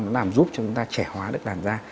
làm giúp cho chúng ta trẻ hóa được làn da